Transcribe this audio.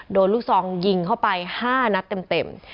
โดนลูกซองยิงเข้าไปห้านัดเต็ม